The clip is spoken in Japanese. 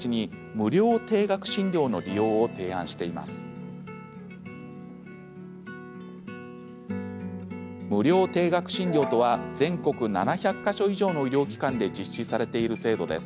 無料低額診療とは全国７００か所以上の医療機関で実施されている制度です。